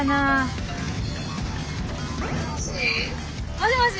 もしもし。